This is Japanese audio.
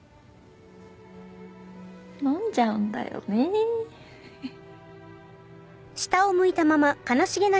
飲んじゃうんだよねははっ。